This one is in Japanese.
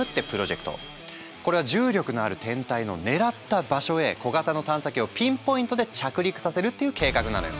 これは重力のある天体の狙った場所へ小型の探査機をピンポイントで着陸させるっていう計画なのよ。